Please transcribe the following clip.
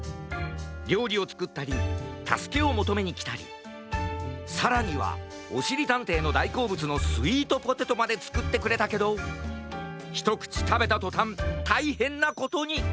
りょうりをつくったりたすけをもとめにきたりさらにはおしりたんていのだいこうぶつのスイートポテトまでつくってくれたけどひとくちたべたとたんたいへんなことに！